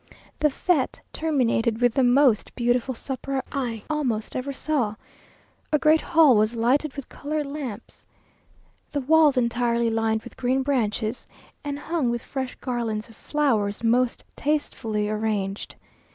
The fête terminated with the most beautiful supper I almost ever saw. A great hall was lighted with coloured lamps, the walls entirely lined with green branches, and hung with fresh garlands of flowers most tastefully arranged.